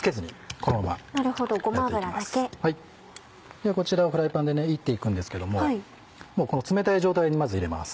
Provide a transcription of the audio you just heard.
ではこちらをフライパンで炒っていくんですけども冷たい状態にまず入れます。